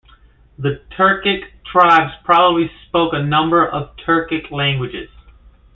The Turkic tribes probably spoke a number of Turkic languages.